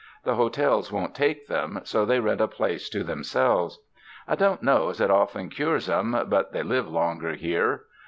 The hotels won't take them; so they rent a place to themselves. I don't know as it often cures 'em, but they live longer here.